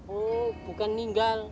oh bukan ninggal